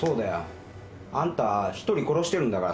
あんた１人殺してるんだからさ。